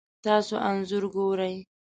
تاسو انځور ګورئ